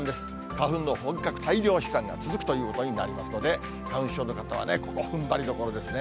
花粉の本格大量飛散が続くということになりますので、花粉症の方は、ここふんばりどころですね。